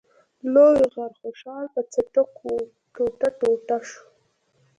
لوی غر خوشحال په څټکو ټوټه ټوټه شو.